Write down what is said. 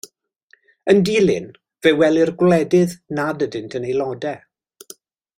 Yn dilyn, fe welir gwledydd nad ydynt yn aelodau.